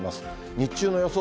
日中の予想